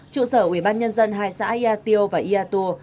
trụ sở ủy ban nhân dân hai xã yatio và yatuo